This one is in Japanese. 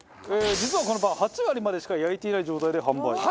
実はこのパン８割までしか焼いていない状態で販売。